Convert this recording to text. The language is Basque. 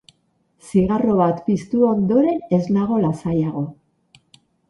Zigarro bat piztu ondoren ez nago lasaiago.